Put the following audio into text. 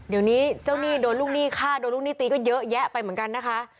เดี๋ยวนี้เจ้าหนี้โดนลูกหนี้ฆ่าโดนลูกหนี้ตีก็เยอะแยะไปเหมือนกันนะคะ